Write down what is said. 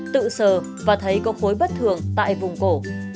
tự sờ và thấy cốc hối bất thường tại vùng cổ